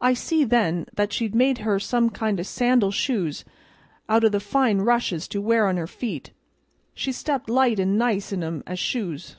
I see then that she'd made her some kind o' sandal shoes out o' the fine rushes to wear on her feet; she stepped light an' nice in 'em as shoes."